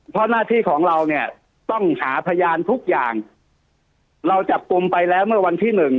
เพราะหน้าที่ของเราเนี่ยต้องหาพยานทุกอย่างเราจับกลุ่มไปแล้วเมื่อวันที่หนึ่ง